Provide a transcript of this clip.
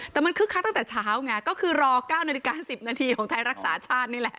แต่มันคึกคักตั้งแต่เช้าไงก็คือรอ๙นาฬิกา๑๐นาทีของไทยรักษาชาตินี่แหละ